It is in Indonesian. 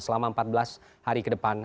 selama empat belas hari ke depan